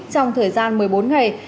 trong thời gian một mươi bốn ngày